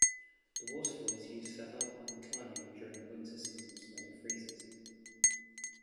The waterfall is used for alpine climbing during the winter season when it freezes.